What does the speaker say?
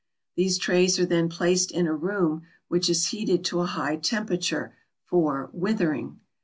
These trays are then placed in a room which is heated to a high temperature, for "withering."